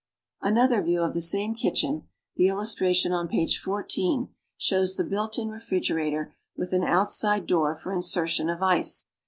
Another view of the same kitchen, the illustration on page 11, shows the built in refrigerator with an outside door for insertion of ice.